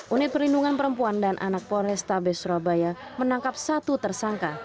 unit perlindungan perempuan dan anak polrestabes surabaya menangkap satu tersangka